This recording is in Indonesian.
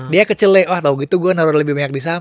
dia kecelek wah tau gitu gue naro lebih banyak di saham